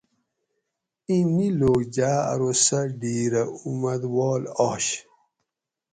ایں نی لوک جاۤ ارو سہ ڈِھیرہ اُمادواۤل آش